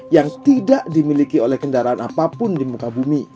yang tidak dimiliki oleh kendaraan apapun di muka bumi